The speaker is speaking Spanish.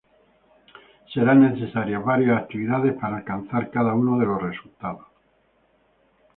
Serán necesarias varias actividades para alcanzar cada uno de los resultados.